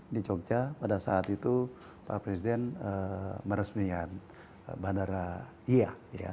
di jogja pada saat itu pak presiden meresmikan bandara iya